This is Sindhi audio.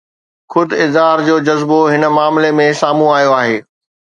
خود اظهار جو جذبو هن معاملي ۾ سامهون آيو آهي